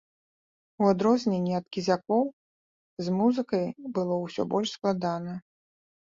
У адрозненні ад кізякоў, з музыкай было ўсё больш складана.